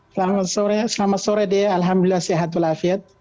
selamat sore selamat sore dea alhamdulillah sehat walafiat